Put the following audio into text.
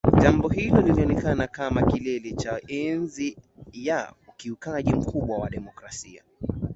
Jambo hilo lilionekana kama kilele cha enzi ya ukiukaji mkubwa wa demokrasia